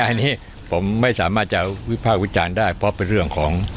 อันนี้ผมไม่สามารถจะวิภาควิจารณ์ได้เพราะเป็นเรื่องของ